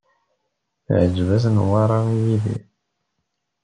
Teɛǧeb-as Newwara i Yidir